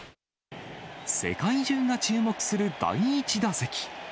世界中が注目する第１打席。